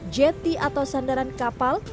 jeti atau sandaran kapal